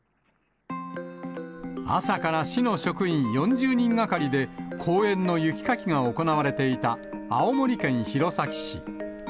朝から市の職員４０人がかりで、公園の雪かきが行われていた青森県弘前市。